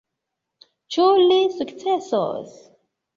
Ĉu li sukcesos?